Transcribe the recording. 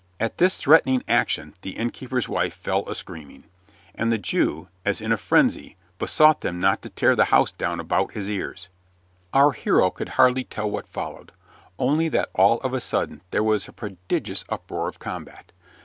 At this threatening action the innkeeper's wife fell a screaming, and the Jew, as in a frenzy, besought them not to tear the house down about his ears. Our hero could hardly tell what followed, only that all of a sudden there was a prodigious uproar of combat.